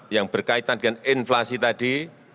yang berkaitan dengan inflasi tadi